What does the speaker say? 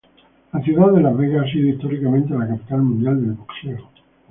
La ciudad de Las Vegas ha sido históricamente la capital mundial del boxeo.